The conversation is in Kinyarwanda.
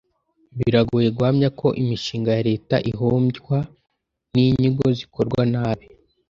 Biragoye guhamya ko imishinga ya Leta ihombywa n’inyigo zikorwa nabi